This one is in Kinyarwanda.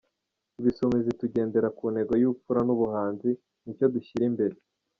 Ibisumizi tugendera ku ntego y’Ubupfura n’ubuhanzi, ni cyo dushyira imbere.